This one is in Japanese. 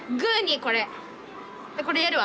これやるわ。